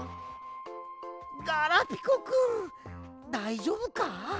ガラピコくんだいじょうぶか？